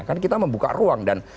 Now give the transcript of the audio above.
kan kita membuka ruang dan